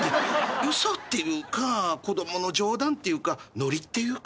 嘘っていうか子供の冗談っていうかノリっていうか。